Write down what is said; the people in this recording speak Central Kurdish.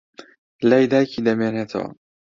لای دایکی دەمێنێتەوە.